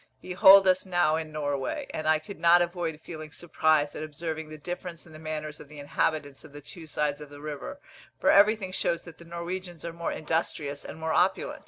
Behold us now in Norway; and I could not avoid feeling surprise at observing the difference in the manners of the inhabitants of the two sides of the river, for everything shows that the Norwegians are more industrious and more opulent.